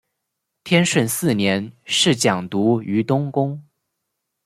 天顺四年侍讲读于东宫。